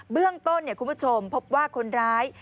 เบื้องต้นคุณผู้ชมพบว่าคนร้าย